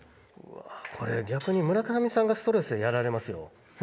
これ逆に村上さんがストレスでやられますよ。